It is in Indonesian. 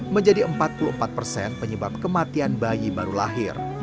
menjadi empat puluh empat persen penyebab kematian bayi baru lahir